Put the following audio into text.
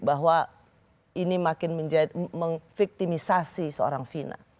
bahwa ini makin menjadi mengviktimisasi seorang fina